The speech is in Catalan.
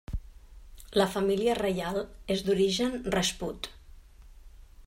La família reial és d'origen rajput.